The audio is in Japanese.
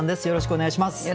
よろしくお願いします。